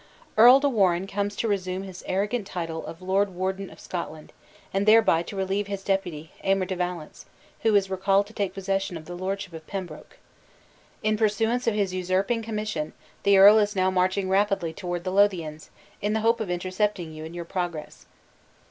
"Earl de Warenne comes to resume his arrogant title of Lord Warden of Scotland, and thereby to relieve his deputy, Aymer de Valence, who is recalled to take possession of the lordship of Pembroke. In pursuance of his usurping commission, the earl is now marching rapidly toward the Lothians, in the hope of intercepting you in your progress.